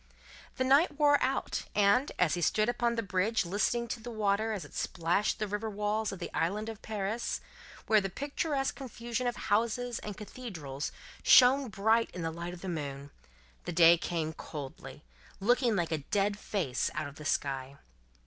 The night wore out, and, as he stood upon the bridge listening to the water as it splashed the river walls of the Island of Paris, where the picturesque confusion of houses and cathedral shone bright in the light of the moon, the day came coldly, looking like a dead face out of the sky.